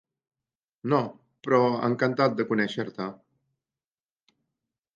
No, però encantat de conèixer-te.